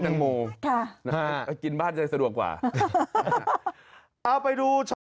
แตงโมค่ะนะฮะกินบ้านจะสะดวกกว่าเอาไปดูชาว